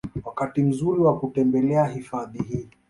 Wakati mzuri wa kutembelea hifadhi hii